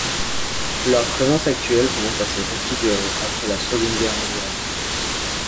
Leur présence actuelle commence à se configurer après la Seconde Guerre mondiale.